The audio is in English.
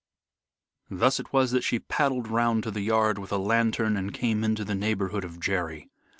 Thus it was that she paddled round to the yard with a lantern and came into the neighborhood of Jerry.